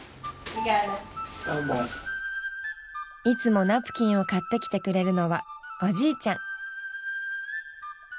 いつもナプキンを買ってきてくれるのはおじいちゃん。